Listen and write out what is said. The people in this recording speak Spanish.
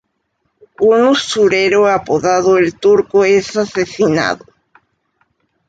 Un usurero apodado El turco es asesinado.